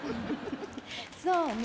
そうね。